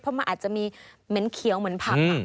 เพราะมันอาจจะมีเหม็นเขียวเหมือนผัก